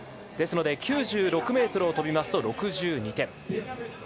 ですから９６ｍを飛びますと６２点。